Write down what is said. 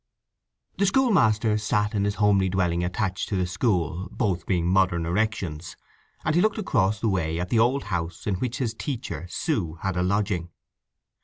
V The schoolmaster sat in his homely dwelling attached to the school, both being modern erections; and he looked across the way at the old house in which his teacher Sue had a lodging.